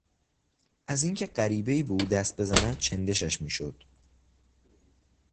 از اینکه غریبهای به او دست بزند چندشش میشد.